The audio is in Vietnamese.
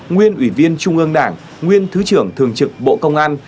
nguyên ủy viên trung ương đảng nguyên thứ trưởng thường trực bộ công an